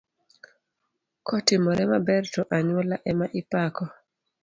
Kotimore maber to anyuola ema ipako.